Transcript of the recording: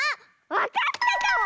わかったかも！